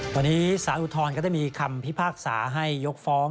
วันนี้สารอุทธรณ์ก็ได้มีคำพิพากษาให้ยกฟ้อง